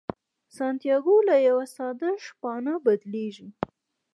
سانتیاګو له یوه ساده شپانه بدلیږي.